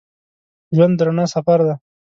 ژوند د رڼا سفر دی.